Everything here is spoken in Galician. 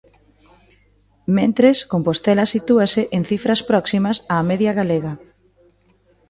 Mentres, Compostela sitúase en cifras próximas á media galega.